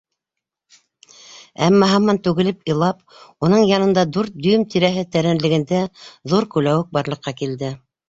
Әммә һаман түгелеп илап, уның янында дүрт дюйм тирәһе тәрәнлегендә ҙур күләүек барлыҡҡа килде.